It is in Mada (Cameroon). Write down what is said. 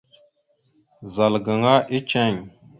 Zal gaŋa eceŋ.